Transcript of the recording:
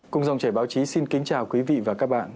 cung dòng trẻ báo chí xin kính chào quý vị và các bạn